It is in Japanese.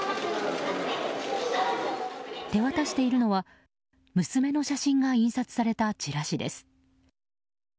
手渡しているのは娘の写真が印刷されたチラシです。